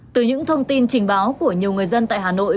từ những thông tin trình báo của nhiều người dân tại hà nội